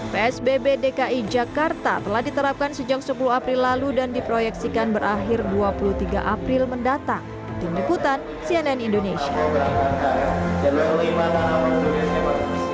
psbb dki jakarta telah diterapkan sejak sepuluh april lalu dan diproyeksikan berakhir dua puluh tiga april mendatang